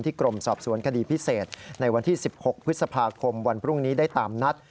กรมสอบสวนคดีพิเศษในวันที่๑๖พฤษภาคมวันพรุ่งนี้ได้ตามนัด